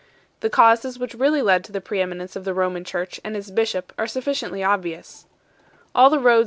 The causes which really led to the pre eminence of the Roman church and its bishop are sufficiently obvious. 1 Epist.